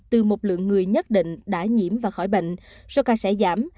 từ một lượng người nhất định đã nhiễm và khỏi bệnh số ca sẽ giảm